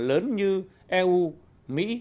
lớn như eu mỹ